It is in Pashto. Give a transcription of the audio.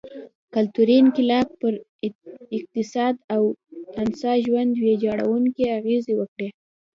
کلتوري انقلاب پر اقتصاد او انسا ژوند ویجاړوونکې اغېزې وکړې.